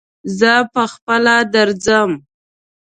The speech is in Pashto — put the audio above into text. زه په خپله درځم